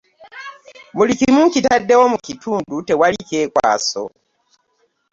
Buli kimu nkitaddewo mu kitundu tewali kyekwaso.